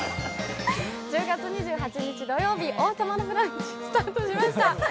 １０月２８日土曜日、「王様のブランチ」スタートしました。